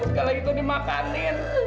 jangan kalau gitu dimakanin